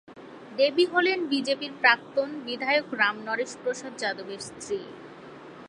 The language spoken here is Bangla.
দেবী হলেন বিজেপির প্রাক্তন বিধায়ক রাম নরেশ প্রসাদ যাদবের স্ত্রী।